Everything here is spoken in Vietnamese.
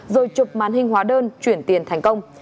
rồi chục màn hình hóa đơn chuyển tiền thành công